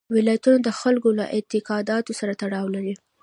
ولایتونه د خلکو له اعتقاداتو سره تړاو لري.